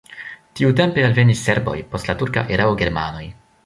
Tiutempe alvenis serboj, post la turka erao germanoj.